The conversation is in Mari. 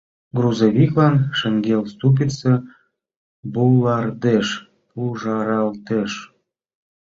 Грузовиклан шеҥгел ступица «Буллардеш» пужаралтеш.